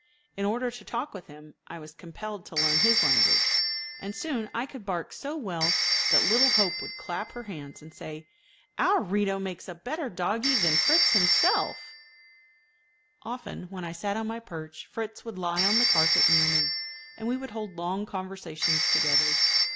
In order to talk with him I was compelled to learn his language, and soon I could bark so well that little Hope would clap her hands and say, "Our Rito makes a better doggie than Fritz himself." [Illustration: "FRITZ ADORED SUGAR."] Often when I sat on my perch Fritz would lie on the carpet near me, and we would hold long conversations together.